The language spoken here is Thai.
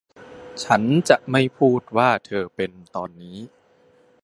ฉันจะไม่พูดว่าเธอเป็น ตอนนี้